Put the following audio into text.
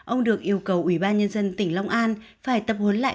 ông được yêu cầu ủy ban nhân dân tỉnh long an phải tập huấn lại